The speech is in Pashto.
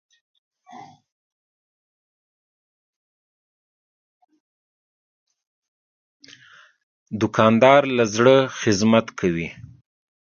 دوکاندار له زړه خدمت کوي.